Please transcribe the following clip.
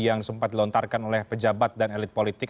yang sempat dilontarkan oleh pejabat dan elit politik